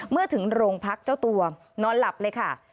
เมื่อถึงโรงพักเจ้าตัวนอนหลับเลยค่ะ